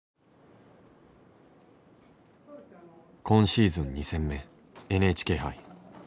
今シーズン２戦目ＮＨＫ杯。